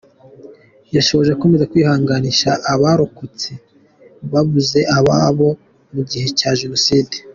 Yashoje akomeza kwihanganisha abarokotse babuze abababo mu gihe cya Jenoside.